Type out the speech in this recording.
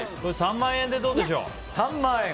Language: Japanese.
３万円でどうでしょう？